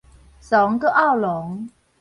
倯閣漚郎